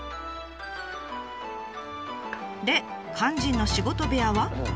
で肝心の仕事部屋は？